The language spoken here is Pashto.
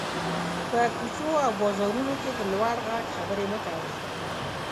په کوڅو او بازارونو کې په لوړ غږ خبري مه کوٸ.